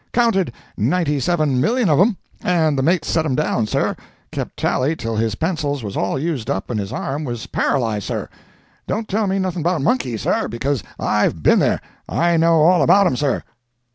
—counted, ninety seven million of 'em, and the mate set 'em down, sir—kept tally till his pencils was all used up and his arm was paralyzed, sir! Don't tell me nothing about monkeys, sir—because I've been there—I know all about 'em, sir!"